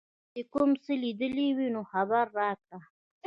یا دي کوم څه لیدلي وي نو خبر راکړه.